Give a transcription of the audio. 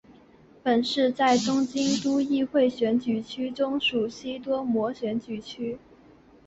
本市在东京都议会选举区中属西多摩选举区。